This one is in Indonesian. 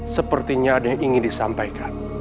sepertinya ada yang ingin disampaikan